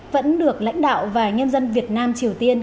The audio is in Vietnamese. vẫn được lãnh đạo và nhân dân việt nam triều tiên